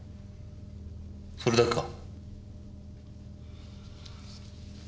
それだけか？